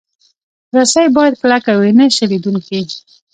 رسۍ باید کلکه وي، نه شلېدونکې.